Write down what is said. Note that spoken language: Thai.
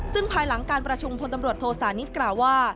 ซึ่งภายหลังการประชุมพลตำรวจโทสานิทกล่าวว่า